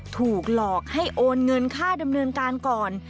ถูกหลอกให้โอนเงินค่าดำเนินการก่อน